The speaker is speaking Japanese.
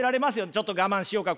ちょっと我慢しようか。